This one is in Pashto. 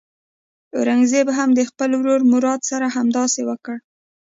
اورنګزېب هم د خپل ورور مراد سره همداسې وکړ.